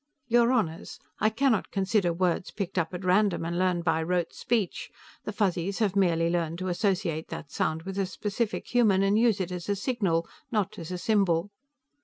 "Your Honors, I cannot consider words picked up at random and learned by rote speech. The Fuzzies have merely learned to associate that sound with a specific human, and use it as a signal, not as a symbol."